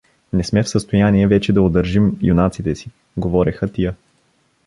„Не сме в състояние вече да удържим юнаците си“ — говореха тия.